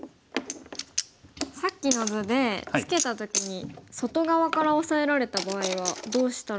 さっきの図でツケた時に外側からオサえられた場合はどうしたらいいんでしょうか。